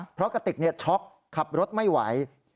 เพราะกระติกช็อกขับรถไม่ไหว